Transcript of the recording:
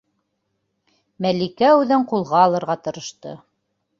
- Мәликә үҙен ҡулға алырға тырышты.